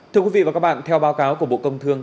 thưa quý vị và các bạn theo báo cáo của bộ công thương